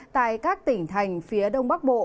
tại các tỉnh thành phía đông bắc bộ